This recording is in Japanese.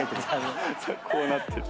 こうなってる。